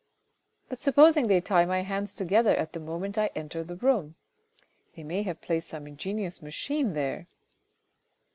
" But supposing they tie my hands together at the moment I enter the room : they may have placed some ingenious machine there.